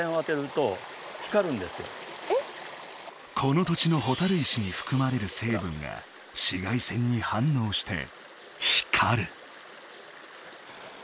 この土地のほたる石にふくまれる成分が紫外線にはんのうして光る。